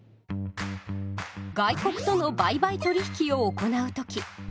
外国との売買取引を行うとき